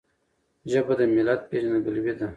ژبه د ملت پیژندګلوي ده.